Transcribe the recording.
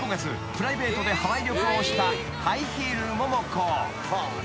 プライベートでハワイ旅行したハイヒールモモコ］